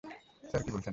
Sir, কী বলছেন?